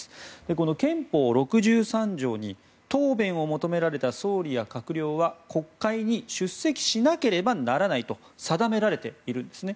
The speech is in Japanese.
この憲法６３条に答弁を求められた総理や閣僚は国会に出席しなければならないと定められているんですね。